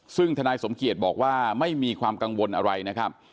ซึ่งทนายสมเกียจบอกว่าไม่มีความกังวลอะไรนะครับ